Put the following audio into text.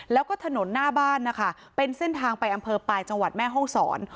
แล้วก็ถนนหน้าบ้านนะคะเป็นเส้นทางไปอำเภอปลายจังหวัดแม่ห้องศร